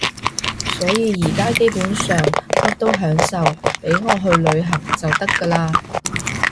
所以而家基本上乜都享受，畀我去旅行就得㗎喇